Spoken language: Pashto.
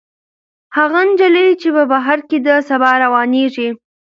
هغه نجلۍ چې په بهر کې ده، سبا راروانېږي.